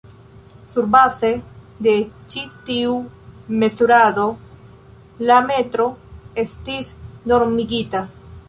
Surbaze de ĉi tiu mezurado la metro estis normigita.